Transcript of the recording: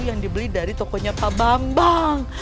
yang dibeli dari tokonya pak bambang